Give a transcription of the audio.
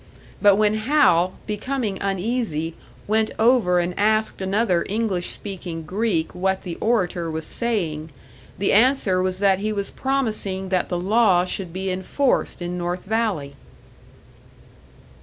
But when Hal, becoming uneasy, went over and asked another English speaking Greek what the orator was saying, the answer was that he was promising that the law should be enforced in North Valley!